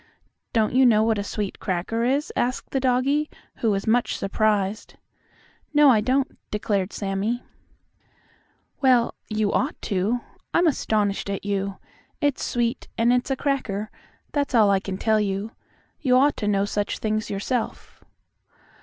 "Don't you know what a sweet cracker is?" asked the doggie, who was much surprised. "No, I don't," declared Sammie. "Well, you ought to. I'm astonished at you. It's sweet, and it's a cracker, that's all I can tell you. You ought to know such things yourself."